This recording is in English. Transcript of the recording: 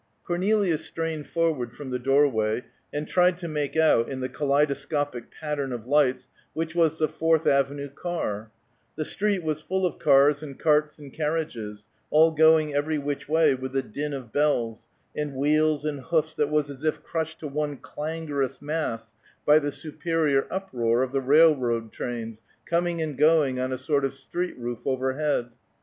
Cornelia strained forward from the doorway and tried to make out, in the kaleidoscopic pattern of lights, which was the Fourth Avenue car; the street was full of cars and carts and carriages, all going every which way, with a din of bells, and wheels and hoofs that was as if crushed to one clangerous mass by the superior uproar of the railroad trains coming and going on a sort of street roof overhead.